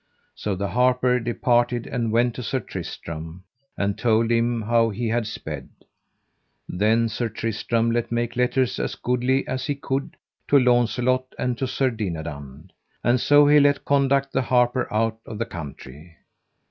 So the harper departed and went to Sir Tristram, and told him how he had sped. Then Sir Tristram let make letters as goodly as he could to Launcelot and to Sir Dinadan. And so he let conduct the harper out of the country.